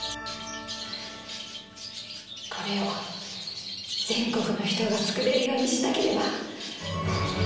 これを全国の人が作れるようにしなければ。